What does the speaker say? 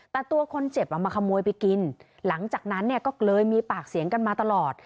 แต่ตัวคนเจ็บมาขโมยไปกินหลังจากนั้นเนี่ยก็เลยมีปากเสียงกันมาตลอด